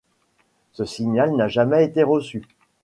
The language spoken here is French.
Ce signal n'a jamais été reçu.